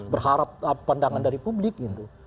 berharap pandangan dari publik gitu